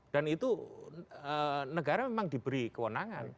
dan itu negara memang diberi kewenangan